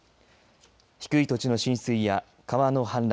低い土地の浸水や川の氾濫